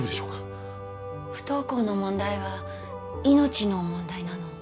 不登校の問題は命の問題なの。